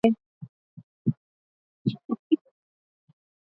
Seyoum amesema kwamba Tedros ambaye mwenyewe ni kutoka